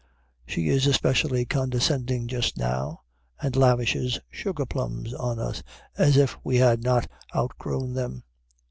She is especially condescending just now, and lavishes sugar plums on us as if we had not outgrown them.